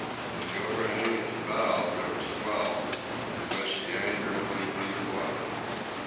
In the overhang at the bow there was a well, in which the anchor hung under water.